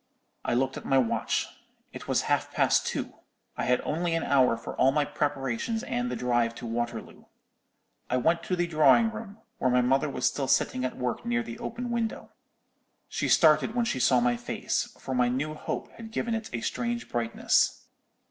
"I looked at my watch. It was half past two. I had only an hour for all my preparations and the drive to Waterloo. I went to the drawing room, where my mother was still sitting at work near the open window. She started when she saw my face, for my new hope had given it a strange brightness.